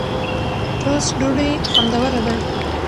ټوسټ ډوډۍ خوندوره ده.